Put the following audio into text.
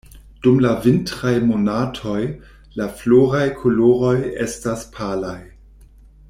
Dum la vintraj monatoj, la floraj koloroj estas palaj.